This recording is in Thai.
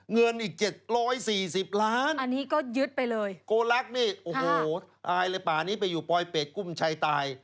เงินอีก๗๔๐ล้านโกรักษ์นี่โอ้โฮอายเลยป่ะอันนี้ไปอยู่ปลอยเป็ดกุ้มชายตาย